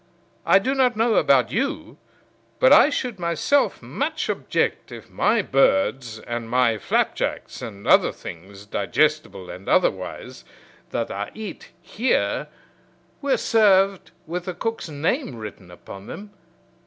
I do not know about you, but I should myself much object if my birds and my flapjacks, and other things, digestible and otherwise, that I eat here were served with the cook's name written upon them.